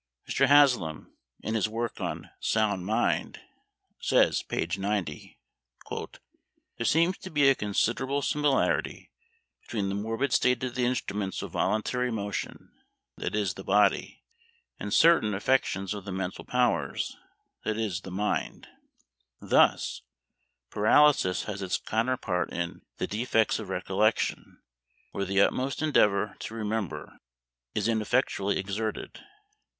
Mr. Haslam, in his work on "Sound Mind," says p. 90, "There seems to be a considerable similarity between the morbid state of the instruments of voluntary motion (that is, the body), and certain affections of the mental powers (that is, the mind). Thus, paralysis has its counterpart in the defects of recollection, where the utmost endeavour to remember is ineffectually exerted.